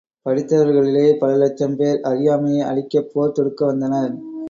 படித்தவர்களிலே பல இலட்சம் பேர், அறியாமையை அழிக்கப் போர் தொடுக்க வந்தனர்.